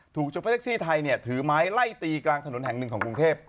โชเฟอร์แท็กซี่ไทยถือไม้ไล่ตีกลางถนนแห่งหนึ่งของกรุงเทพ